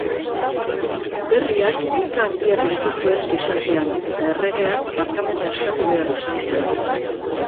Berriak ika-handia piztu zuen gizartean, eta erregeak barkamena eskatu behar izan zuen.